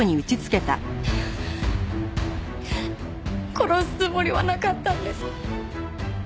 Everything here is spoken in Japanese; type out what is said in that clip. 殺すつもりはなかったんです。